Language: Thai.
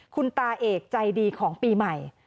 คุณตาเอกใจดีของปีใหม่